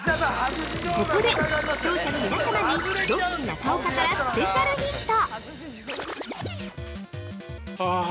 ◆ここで、視聴者の皆様にロッチ中岡からスペシャルヒント！